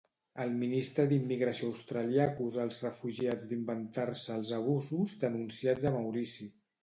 El ministre d'Immigració australià acusa els refugiats d'inventar-se els abusos denunciats a Maurici.